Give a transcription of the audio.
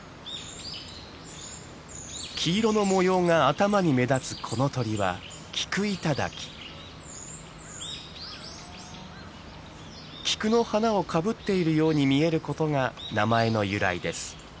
黄色の模様が頭に目立つこの鳥はキクの花をかぶっているように見えることが名前の由来です。